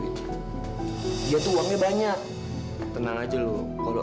lepas nggak mau lepasin